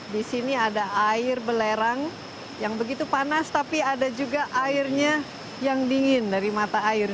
di sini ada air belerang yang begitu panas tapi ada juga airnya yang dingin dari mata air